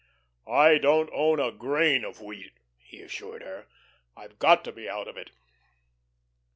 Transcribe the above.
"I don't own a grain of wheat," he assured her. "I've got to be out of it."